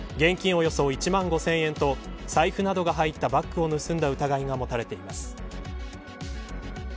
およそ１万５０００円と財布などが入ったバッグを盗んだ疑いが持たれています。